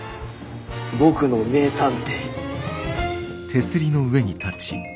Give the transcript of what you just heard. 僕の名探偵。